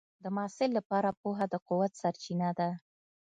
د محصل لپاره پوهه د قوت سرچینه ده.